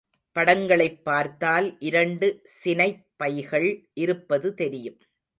படங்களைப் பார்த்தால், இரண்டு சினைப் பைகள் இருப்பது தெரியும்.